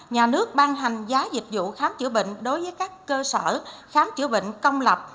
nhà nước ban hành giá dịch vụ khám chữa bệnh đối với các cơ sở khám chữa bệnh công lập